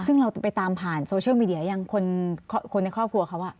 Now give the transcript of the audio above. ซึ่งเราไปตามผ่านโซเชียลมีเดียยังคนในครอบครัวเขา